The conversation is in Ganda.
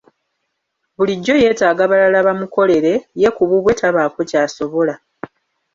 Bulijjo yeetaaga balala bamukolere, ye ku bubwe tabaako ky'asobola.